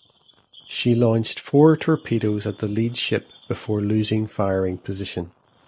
She launched four torpedoes at the lead ship before losing firing position.